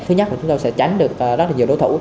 thứ nhất là chúng tôi sẽ tránh được rất là nhiều đối thủ